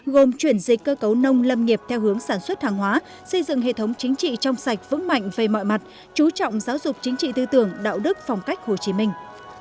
gồm chuyển dịch cơ cấu nông lâm nghiệp theo hướng sản xuất hàng hóa xây dựng hệ thống chính trị trong sạch vững mạnh về mọi mặt chú trọng giáo dục chính trị tư tưởng đạo đức phong cách hồ chí minh